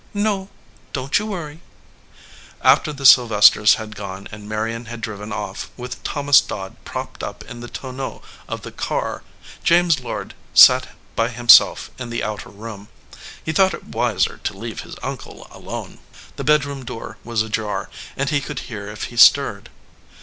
"No. Don t you worry." After the Sylvesters had gone, and Marion had driven off, with Thomas Dodd propped up in the tonneau of the car, James Lord sat by himself in 228 BOTH CHEEKS the outer room. He thought it wiser to leave his uncle alone. The bedroom door was ajar and he could hear if he stirred.